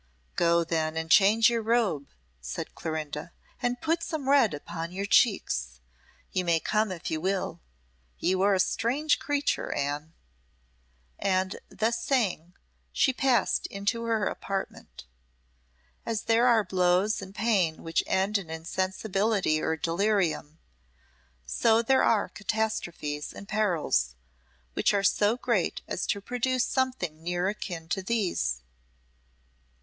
"Go then and change your robe," said Clorinda, "and put some red upon your cheeks. You may come if you will. You are a strange creature, Anne." And thus saying, she passed into her apartment. As there are blows and pain which end in insensibility or delirium, so there are catastrophes and perils which are so great as to produce something near akin to these.